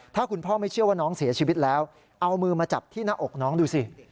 ถ้าคุณพ่อไม่เชื่อว่าน้องเสียชีวิตแล้วเอามือมาจับที่หน้าอกน้องดูสิ